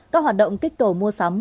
các hoạt động kích cầu mua sắm